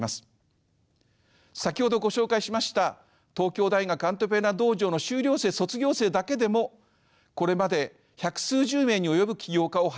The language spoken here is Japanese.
先ほどご紹介しました東京大学アントレプレナー道場の修了生卒業生だけでもこれまで百数十名に及ぶ起業家を輩出しています。